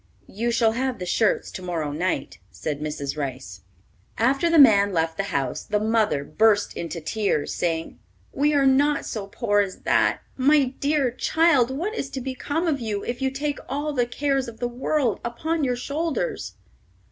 "You shall have the shirts to morrow night," said Mrs. Rice. After the man left the house, the mother burst into tears, saying, "We are not so poor as that. My dear child, what is to become of you if you take all the cares of the world upon your shoulders?"